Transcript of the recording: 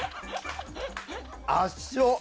圧勝。